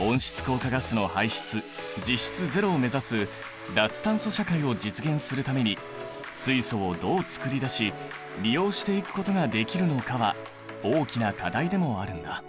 温室効果ガスの排出実質ゼロを目指す脱炭素社会を実現するために水素をどうつくり出し利用していくことができるのかは大きな課題でもあるんだ。